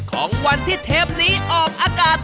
ของวันที่เทปนี้ออกอากาศ